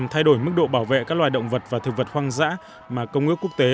thay đổi mức độ bảo vệ các loài động vật và thực vật hoang dã mà công ước quốc tế